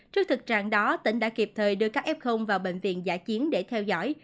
trước thực trạng đó tỉnh đã kịp thời đưa các f vào bệnh viện giả chiến để theo dõi